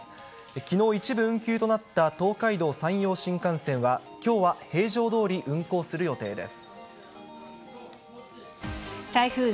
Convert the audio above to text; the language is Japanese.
きのう一部運休となった東海道・山陽新幹線は、きょうは平常どおり運行する予定です。